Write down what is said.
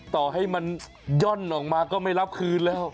ต่อให้มันย่อนออกมาก็ไม่รับคืนแล้ว